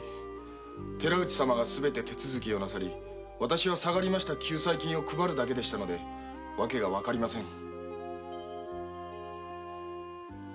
寺内様がすべて手続きをなさり私は下りました金を配るだけでしたので訳がわかりません。